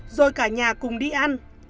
rồi cả nhà cùng đi ăn